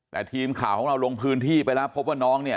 แต่ทีมข่าวของเราลงพื้นที่ไปแล้วพบว่าน้องเนี่ย